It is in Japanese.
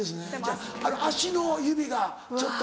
足の指がちょっと。